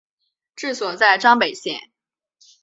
治所在张北县。